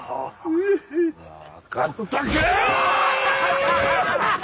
分かったか！